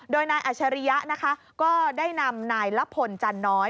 โดยนายอัชริยะนะคะก็ได้นำนายละพลจันน้อย